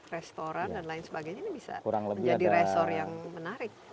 restoran dan lain sebagainya ini bisa menjadi resort yang menarik